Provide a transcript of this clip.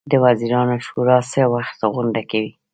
د وزیرانو شورا څه وخت غونډه کوي؟